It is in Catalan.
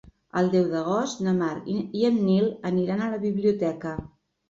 El deu d'agost na Mar i en Nil aniran a la biblioteca.